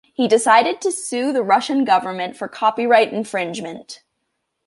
He decided to sue the Russian government for copyright infringement.